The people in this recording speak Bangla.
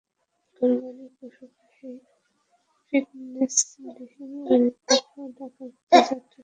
কোরবানির পশুবাহী ফিটনেসবিহীন গাড়িগুলো ঢাকার পথে যাত্রা শুরুর আগেই থামিয়ে দেওয়া।